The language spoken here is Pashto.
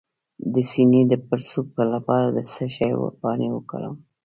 د سینې د پړسوب لپاره د څه شي پاڼې وکاروم؟